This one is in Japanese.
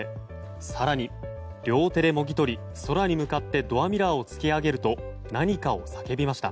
更に、両手でもぎ取り空に向かってドアミラーを突き上げると何かを叫びました。